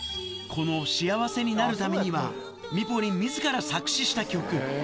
この幸せになるためには、ミポリンみずから作詞した曲。